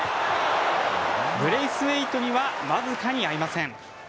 ブレイスウェイトには僅かに合いません。